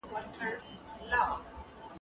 سعید په ډېرې خوښۍ سره خونې ته راننووت.